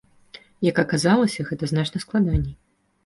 Як аказалася, гэта значна складаней.